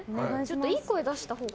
いい声出したほうが